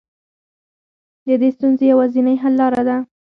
د دې ستونزې يوازنۍ حل لاره ده.